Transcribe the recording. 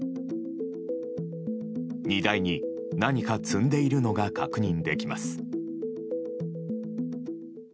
荷台に何か積んでいるのが確認できます。